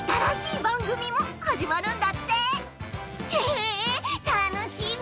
え楽しみ！